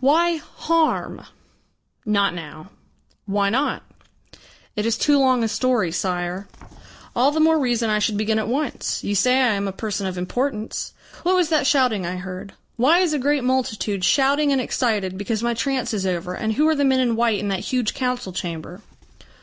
Why harm?" "Not now." "Why not?" "It is too long a story, Sire." "All the more reason I should begin at once. You say I am a person of importance. What was that shouting I heard? Why is a great multitude shouting and excited because my trance is over, and who are the men in white in that huge council chamber?"